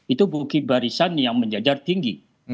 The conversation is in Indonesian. itu bukit barisan yang menjajar tinggi